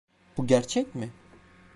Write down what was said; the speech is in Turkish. Bu gerçek mi?